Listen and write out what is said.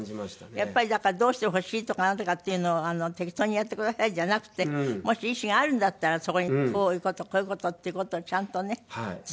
やっぱりだからどうしてほしいとかなんとかっていうのを適当にやってくださいじゃなくてもし意思があるんだったらそこにこういう事こういう事っていう事をちゃんとね伝える。